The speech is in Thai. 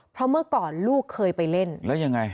เพราะเมื่อก่อนลูกเคยไปเล่น